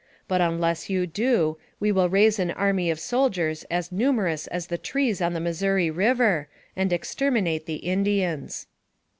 But unless you do, we will raise an army of soldiers as numerous as the trees on the Missouri River and exterminate the Indians."